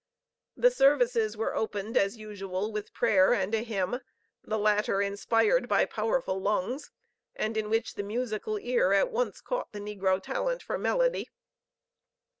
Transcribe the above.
The services were opened, as usual, with prayer and a hymn, the latter inspired by powerful lungs, and in which the musical ear at once caught the negro talent for melody.